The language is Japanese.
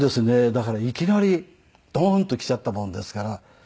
だからいきなりドーンと来ちゃったもんですから。